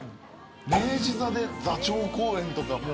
明治座で座長公演とか。